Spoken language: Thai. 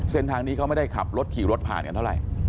เส้นทางนี้เขาไม่ได้ขับรถขี่รถผ่านกันเท่าไหร่